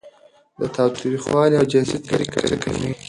د تاوتریخوالي او جنسي تیري کچه کمېږي.